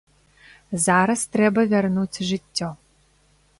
Зараз трэба вярнуць жыццё.